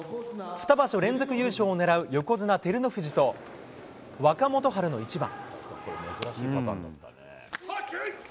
２場所連続優勝を狙う横綱・照ノ富士と若元春の一番。